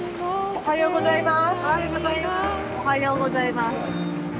・おはようございます。